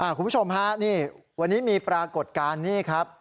คุณผู้ชมฮะนี่วันนี้มีปรากฏการณ์นี่ครับ